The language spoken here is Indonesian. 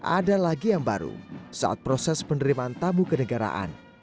ada lagi yang baru saat proses penerimaan tamu kenegaraan